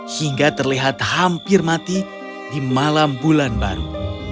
hingga terlihat hampir mati di malam bulan baru